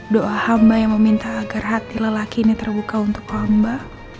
doa hamba yang meminta agar hati lelaki ini terbuka untuk hamba